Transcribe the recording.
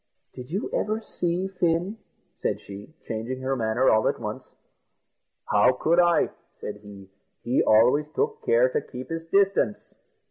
"Did you ever see Fin?" said she, changing her manner all at once. "How could I?" said he; "he always took care to keep his distance."